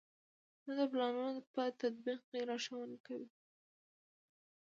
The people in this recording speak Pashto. دا د پلانونو په تطبیق کې لارښوونې کوي.